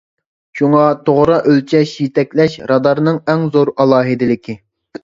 شۇڭا، توغرا ئۆلچەش يېتەكلەش رادارىنىڭ ئەڭ زور ئالاھىدىلىكى.